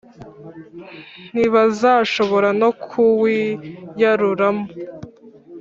ntibazashobora no kuwiyaruramo,